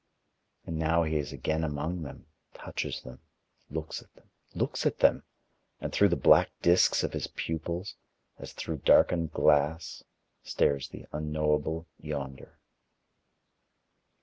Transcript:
And now he is again among them, touches them, looks at them, looks at them! and through the black discs of his pupils, as through darkened glass, stares the unknowable Yonder.